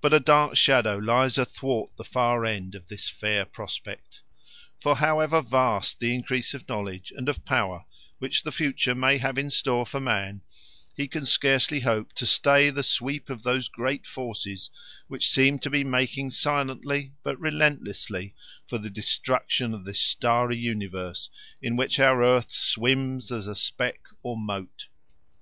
But a dark shadow lies athwart the far end of this fair prospect. For however vast the increase of knowledge and of power which the future may have in store for man, he can scarcely hope to stay the sweep of those great forces which seem to be making silently but relentlessly for the destruction of all this starry universe in which our earth swims as a speck or mote.